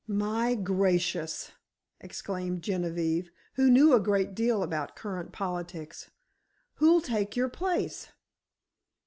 "My gracious!" exclaimed Genevieve, who knew a great deal about current politics. "Who'll take your place?"